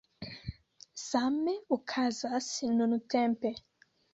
Same okazas nuntempe.